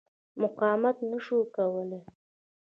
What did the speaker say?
مقاومت نه شو کولای.